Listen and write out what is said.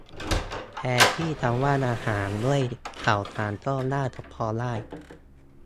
แทนที่คำว่า อาหาร ด้วย ข่าวสาร ก็น่าจะพอได้